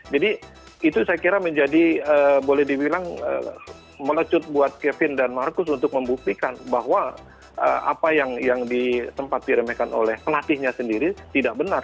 jadi itu saya kira menjadi boleh dibilang melecut buat kevin dan marcus untuk membuktikan bahwa apa yang disempat diremehkan oleh pelatihnya sendiri tidak benar